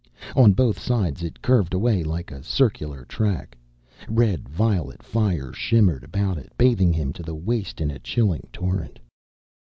On both sides it curved away like a circular track. Red violet fire shimmered about it, bathing him to the waist in a chilling torrent.